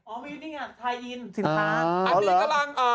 อันนี้กำลัง